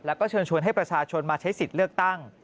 แล้วก็เชิญชวนให้ประชาชนมาใช้สิทธิ์เลือกตั้ง